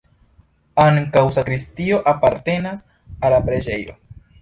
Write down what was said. Ankaŭ sakristio apartenas al la preĝejo.